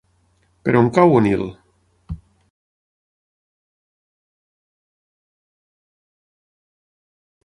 Per on cau Onil?